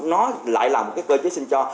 nó lại là một cái cơ chế xin cho